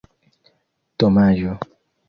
domaĝo